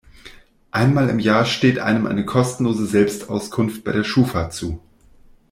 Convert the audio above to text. Einmal im Jahr steht einem eine kostenlose Selbstauskunft bei der Schufa zu.